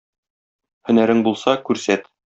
Һөнәрең булса, күрсәт